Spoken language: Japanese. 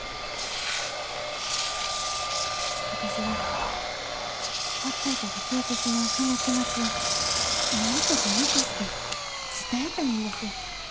私はほっといたら消えてしまうその気持ちをなんとか残して伝えたいんです。